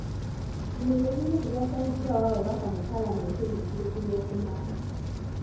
Bino bye bimu ku byasaliddwawo ababaka mu paalamenti eno eggulo ku Lwookuna.